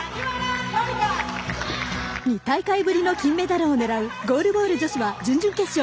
２大会ぶりの金メダルを狙うゴールボール女子は準々決勝。